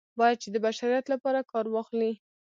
باید چې د بشریت لپاره کار واخلي.